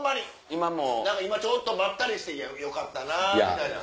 今ちょっとまったりしてよかったなみたいな。